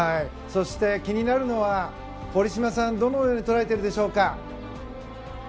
そして、気になるのは堀島さん、どのように捉えているでしょうか。